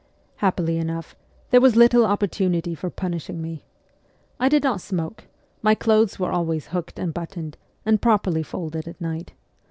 Happily enough, there was little opportunity for punishing me. I did not smoke ; my clothes were always hooked and buttoned, and properly folded at night.